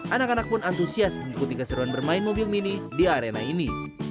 anak anak pun antusias mengikuti keseruan bermain mobil mini di arena ini